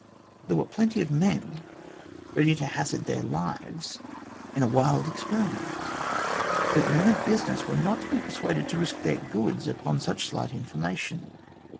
There were plenty of men ready to hazard their lives in A MARVELLOUS WILD GOOSE CHASE 109 .a wild experiment, but men of business were not to be persuaded to risk their goods upon such slight information.